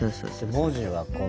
文字はこう。